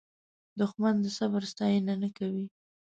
دښمن د صبر ستاینه نه کوي